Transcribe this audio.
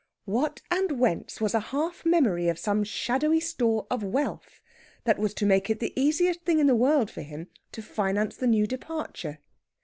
What and whence was a half memory of some shadowy store of wealth that was to make it the easiest thing in the world for him to finance the new departure?